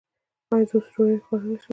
ایا زه اوس ډوډۍ خوړلی شم؟